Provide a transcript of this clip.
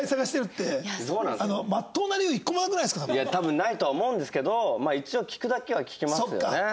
いや多分ないとは思うんですけど一応聞くだけは聞きますよね。